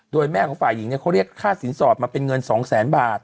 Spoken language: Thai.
โดยแม่ของฝ่ายหญิงเขาเรียกค่าสินสอดมาเป็นเงิน๒แสนบาท